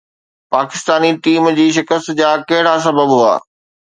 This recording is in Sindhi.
پاڪستاني ٽيم جي شڪست جا ڪهڙا سبب هئا؟